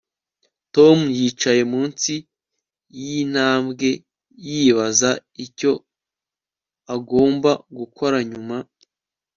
tom yicaye munsi yintambwe yibaza icyo agomba gukora nyuma